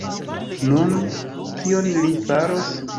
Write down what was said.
Nun, kion li faros?